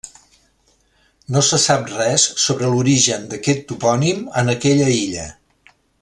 No se sap res sobre l'origen d'aquest topònim en aquella illa.